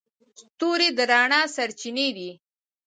ستوري د رڼا سرچینې دي.